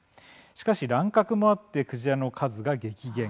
しかし、乱獲もあってクジラの数が激減。